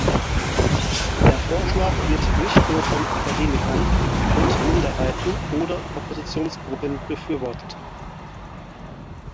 Der Vorschlag wird nicht nur von Akademikern und Minderheiten oder Oppositionsgruppen befürwortet.